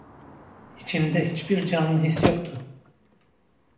İçimde hiçbir canlı his yoktu.